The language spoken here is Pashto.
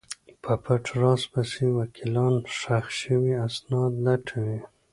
په پټ راز پسې وکیلان ښخ شوي اسناد لټوي.